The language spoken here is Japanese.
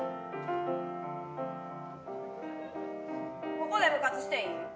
ここで部活していい？